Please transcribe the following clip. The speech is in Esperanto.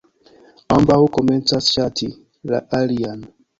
Ambaŭ komencas ŝati la alian.